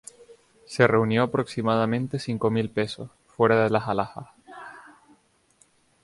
Se reunió aproximadamente cinco mil pesos, fuera de las alhajas.